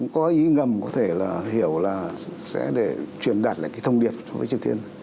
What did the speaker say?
có ý ngầm có thể hiểu là sẽ để truyền đặt lại thông điệp với triều tiên